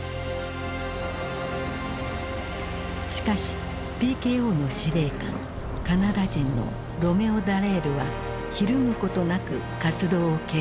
しかしＰＫＯの司令官カナダ人のロメオ・ダレールはひるむことなく活動を継続。